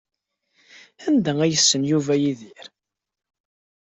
Anda ay yessen Yuba Yidir?